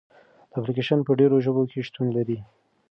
دا اپلیکیشن په ډېرو ژبو کې شتون لري.